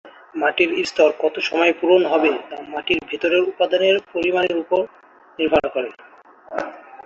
মাটির স্তর কত সময়ে পূরণ হবে তা মাটির ভেতরের উপাদানের পরিমাণ নির্ভর করে।